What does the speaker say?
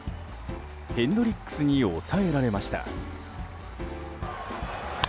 ヘンドリックスに抑えられました。